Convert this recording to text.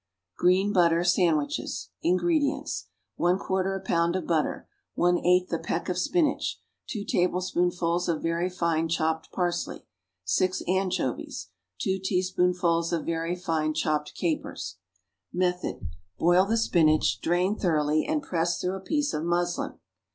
=Green Butter Sandwiches.= INGREDIENTS. 1/4 a pound of butter. 1/8 a peck of spinach. 2 tablespoonfuls of very fine chopped parsley. 6 anchovies. 2 teaspoonfuls of very fine chopped capers. Method. Boil the spinach, drain thoroughly, and press through a piece of muslin.